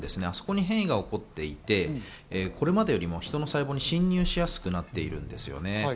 あそこに変異が起こっていて、これまでよりも人の細胞に侵入しやすくなっているんですね。